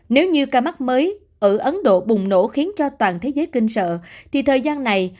nếu như ca mắc mới ở ấn độ bùng nổ khiến cho toàn thế giới kinh sợ thì thời gian này